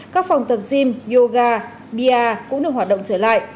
các phòng tập gym yoga bia cũng được hoạt động trở lại